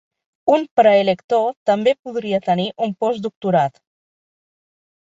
Un praelector també podria tenir un postdoctorat.